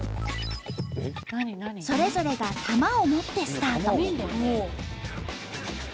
それぞれが玉を持ってスタート。